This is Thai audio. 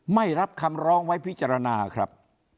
ไม่รับคำร้องไว้พิจารณาครับ